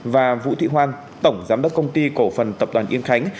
và vũ thị hoan tổng giám đốc công ty cổ phần tập đoàn yên khánh